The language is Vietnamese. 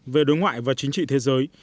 về đối ngoại và chính trị thế giới